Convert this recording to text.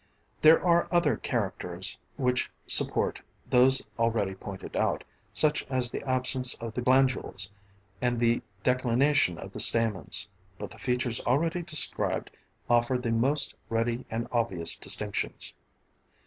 There are other characters which support those already pointed out, such as the absence of the glandules, and the declination of the stamens; but the features already described offer the most ready and obvious distinctions.